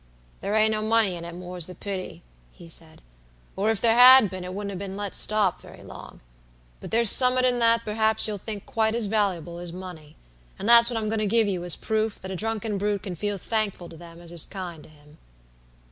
"There ain't no money in it, more's the pity," he said, "or if there had been it wouldn't have been let stop very long. But there's summat in it that perhaps you'll think quite as valliable as money, and that's what I'm goin' to give you as a proof that a drunken brute can feel thankful to them as is kind to him."